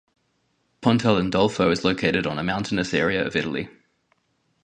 Pontelandolfo is located on a mountainous area of Italy.